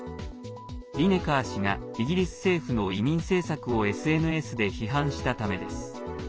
リネカー氏がイギリス政府の移民政策をＳＮＳで批判したためです。